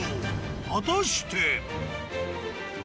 果たして］